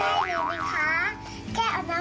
แล้วก็ผ้ารุ้กคนร้อนผมฝากมาไม่เชื่อน้ำ